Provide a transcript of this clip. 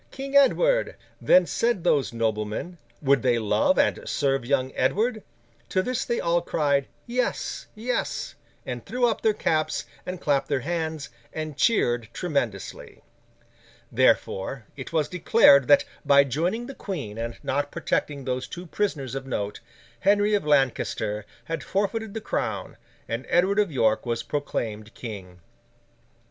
King Edward!' Then, said those noblemen, would they love and serve young Edward? To this they all cried, 'Yes, yes!' and threw up their caps and clapped their hands, and cheered tremendously. Therefore, it was declared that by joining the Queen and not protecting those two prisoners of note, Henry of Lancaster had forfeited the crown; and Edward of York was proclaimed King.